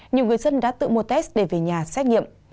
nhiều người dân đã tự mua test để về nhà xét nghiệm